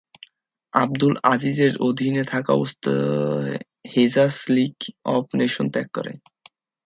আবদুল আজিজের অধীন থাকাবস্থায় হেজাজ লীগ অব নেশনস ত্যাগ করে।